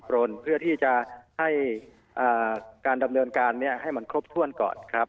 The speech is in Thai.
เพื่อที่จะให้การดำเนินการให้มันครบถ้วนก่อน